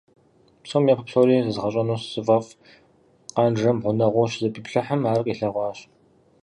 Псом япэ псори зэзыгъэщӀэну зыфӀэфӀ Къанжэм гъунэгъуу щызэпиплъыхьым, ар къилъэгъуащ.